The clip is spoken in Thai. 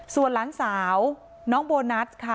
ส่วนหลานสาวน้องโบนัสค่ะ